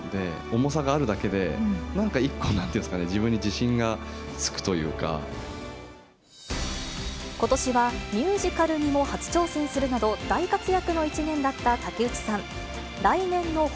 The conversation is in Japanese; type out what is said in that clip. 重さがあるだけで、なんか一個、ことしはミュージカルにも初挑戦するなど、大活躍の１年だった竹内さん。